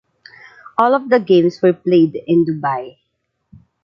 All of the games were played in Dubai.